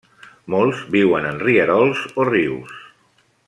Molts viuen en rierols o rius.